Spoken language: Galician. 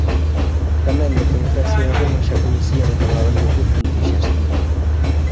Tamén de que en Grecia e Roma xa coñecían e tomaban iogur como dixestivo.